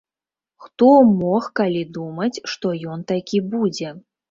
Хто мог калі думаць, што ён такі будзе?